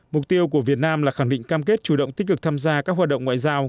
mục tiêu của việt nam là khẳng định cam kết chủ động tích cực tham gia các hoạt động ngoại giao